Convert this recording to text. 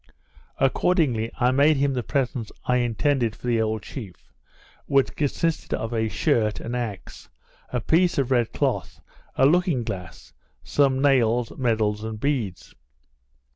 Accordingly I made him the present I intended for the old chief, which consisted of a shirt, an axe, a piece of red cloth, a looking glass, some nails, medals, and beads.